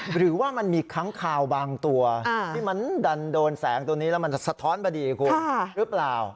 หรือว่ามันมีค้างคาวบางตัวที่มันดันโดนแสงตัวนี้แล้วมันสะท้อนพอดีคุณหรือเปล่า